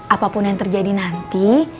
apapun yang terjadi nanti